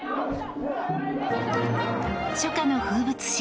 初夏の風物詩